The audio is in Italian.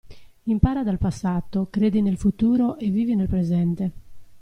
Impara dal passato, credi nel futuro e vivi nel presente.